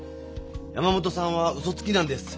山本さんはうそつきなんです。